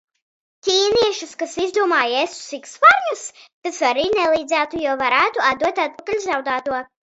Ķīniešus, kas izdomāja ēst sikspārņus? Tas arī nelīdzētu, jo nevarētu atdot atpakaļ zaudēto.